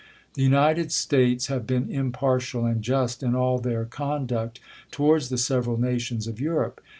The United States have been impartial and just in all their conduct towards the several nations of Europe.